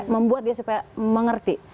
membuat dia supaya mengerti